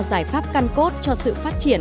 giải pháp căn cốt cho sự phát triển